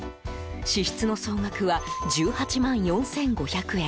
支出の総額は１８万４５００円。